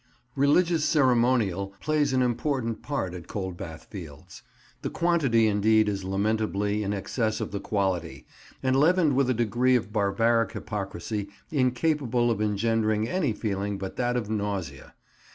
RELIGIOUS ceremonial plays an important part at Coldbath Fields. The quantity, indeed, is lamentably in excess of the quality, and leavened with a degree of barbaric hypocrisy incapable of engendering any feeling but that of nausea.